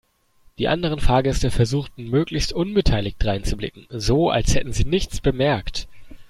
Die anderen Fahrgäste versuchten möglichst unbeteiligt dreinzublicken, so als hätten sie nichts bemerkt.